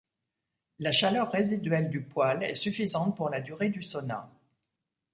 La chaleur résiduelle du poêle est suffisante pour la durée du sauna.